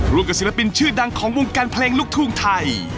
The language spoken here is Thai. กับศิลปินชื่อดังของวงการเพลงลูกทุ่งไทย